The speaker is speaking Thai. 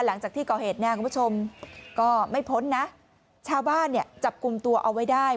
หลังจากที่ก่อเหตุเนี่ยคุณผู้ชมก็ไม่พ้นนะชาวบ้านเนี่ยจับกลุ่มตัวเอาไว้ได้